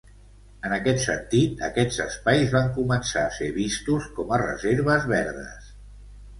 En aquest sentit aquests espais van començar a ser vistos com a reserves verdes.